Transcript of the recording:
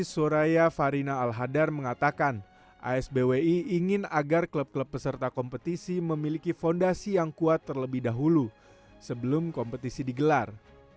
soraya farina al hadar mengatakan asbwi ingin agar klub klub peserta kompetisi memiliki fondasi yang kuat terlebih dahulu sebelum kompetisi digelar